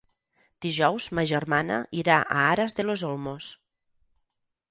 Dijous ma germana irà a Aras de los Olmos.